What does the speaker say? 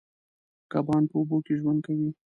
کبان په اوبو کې ژوند کوي.